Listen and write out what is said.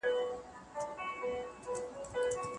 ملا یو ډېر نرم غږ واورېد.